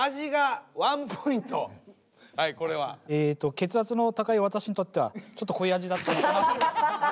血圧の高い私にとってはちょっと濃い味だったのかなと。